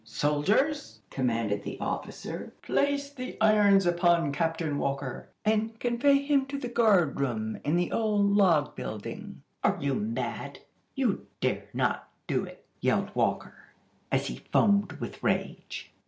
Soldiers," commanded the officer, "place the irons upon Captain Walker, and convey him to the guard room in the old log building." "Are you mad? You dare not do it!" yelled Walker, as he foamed with rage.